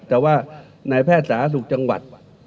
แต่ว่านายแพทย์สาธารณสุขจังหวัด